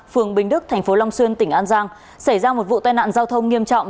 phường bình đức thành phố long xuyên tỉnh an giang xảy ra một vụ tai nạn giao thông nghiêm trọng